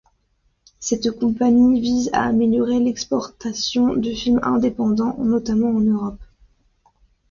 Cette compagnie vise à améliorer l'exportation de films indépendants, notamment en Europe.